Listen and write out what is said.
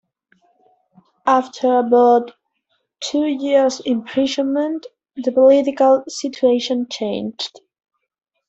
After about two years imprisonment, the political situation changed.